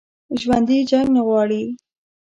ژوندي جنګ نه غواړي